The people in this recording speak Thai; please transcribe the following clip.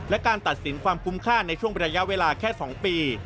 และการตัดสินความคุ้มค่าในช่วงระยะเวลาแค่๒ปี